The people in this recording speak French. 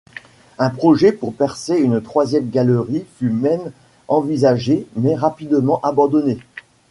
Un projet pour percer une troisième galerie fut même envisagé mais rapidement abandonné.